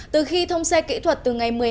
từ khi thông xe kỹ thuật từ ngày một